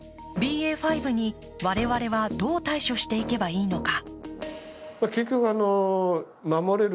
ＢＡ．５に我々はどう対処していけばいいのか。